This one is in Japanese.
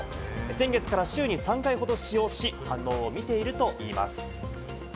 先月から週に３回ほど使用し、反応を見ているといいます。